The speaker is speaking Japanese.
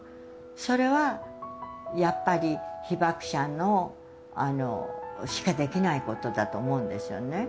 それはやっぱり被爆者にしかできないことだと思うんですよね。